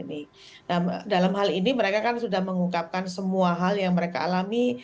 nah dalam hal ini mereka kan sudah mengungkapkan semua hal yang mereka alami